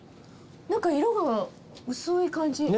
何か色が薄い感じ。